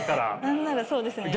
何ならそうですね。